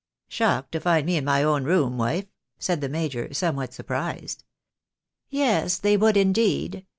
" Shocked to find me in my own room, wife ?" said the major; somewhat surprised. " Yes, they would indeed.